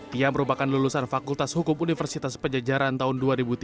tia merupakan lulusan fakultas hukum universitas pejajaran tahun dua ribu tiga